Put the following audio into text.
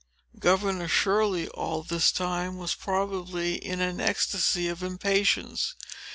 Governor Shirley, all this time, was probably in an ecstasy of impatience.